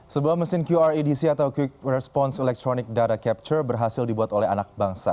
sebuah mesin qr edc atau quick response electronic darah capture berhasil dibuat oleh anak bangsa